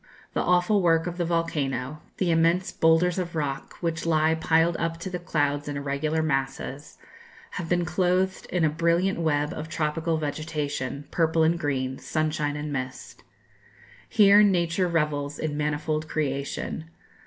The awful work of the volcano the immense boulders of rock which lie piled up to the clouds in irregular masses have been clothed in a brilliant web of tropical vegetation, purple and green, sunshine and mist. Here nature revels in manifold creation.